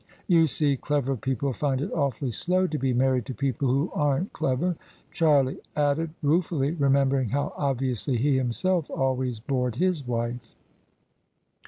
You see, clever people find it awfully slow to be married to people who aren't clever," Charlie added, rue fully, remembering how obviously he himself always bored his wife.